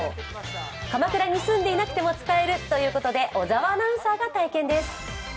鎌倉に住んでいなくても使えるということで小沢アナウンサーが体験です。